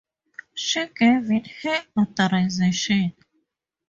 She gave it her authorization.